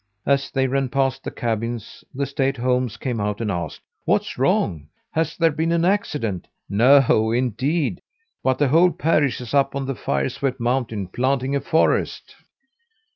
As they ran past the cabins, the stay at homes came out and asked: "What's wrong? Has there been an accident?" "No, indeed! But the whole parish is up on the fire swept mountain planting a forest."